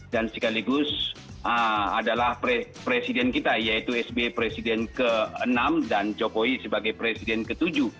dan sekaligus adalah presiden kita yaitu sby presiden ke enam dan jokowi sebagai presiden ke tujuh